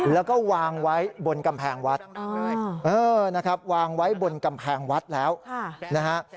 แล้วก็วางไว้บนกำแพงวัดนะครับวางไว้บนกำแพงวัดแล้วนะฮะ